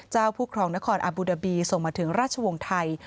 ผู้ครองนครอบูดาบีส่งมาถึงราชวงศ์ไทย